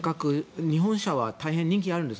日本車は人気があるんです。